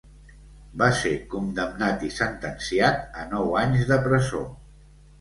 Va ser condemnat i sentenciat a nou anys de presó.